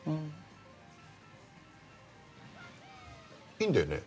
いいんだよね？